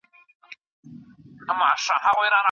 د ارغنداب سیند د خلکو د خندا سرچینه ده.